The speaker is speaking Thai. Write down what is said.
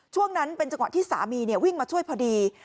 ช่วงนั้นเป็นจังหวะที่สามีวิ่งมาช่วยพอดี